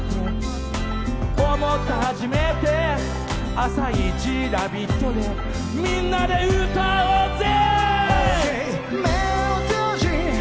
朝一「ラヴィット！」でみんなで歌おうぜ！